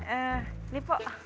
eh ini pak